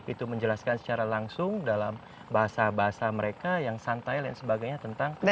itu menjelaskan secara langsung dalam bahasa bahasa mereka yang santai dan sebagainya tentang